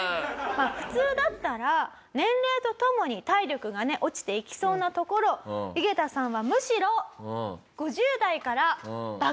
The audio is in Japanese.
普通だったら年齢とともに体力が落ちていきそうなところユゲタさんはむしろ。